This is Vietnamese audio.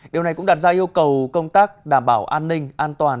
điều này cũng đặt ra yêu cầu công tác đảm bảo an ninh an toàn